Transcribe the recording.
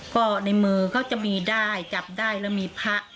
ก็ในมือเขาจะมีด้ายจับด้ายแล้วมีพะ